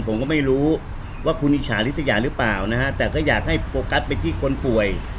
ผมก็ไม่รู้ว่าคุณอิจฉาริสยาหรือเปล่านะฮะแต่ก็อยากให้โฟกัสไปที่คนป่วย